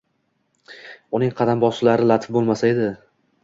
Uning qadam bosishlari latif bo‘lmasa edi.